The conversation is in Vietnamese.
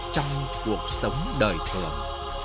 trong cuộc sống đời thường